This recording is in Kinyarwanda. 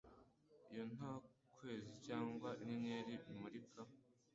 iyo nta kwezi cyangwa inyenyeri bimurika.